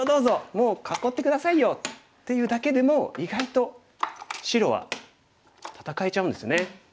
もう囲って下さいよ」っていうだけでも意外と白は戦えちゃうんですね。